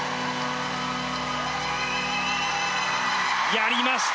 やりました！